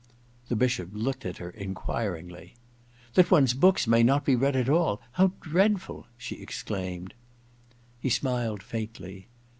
The Bishop looked at her enquiringly. ^ That one's books may not be read at all ! How dreadful I ' she exclaimed. He smiled faintly.